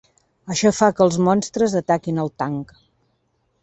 Això fa que els monstres ataquin el tanc.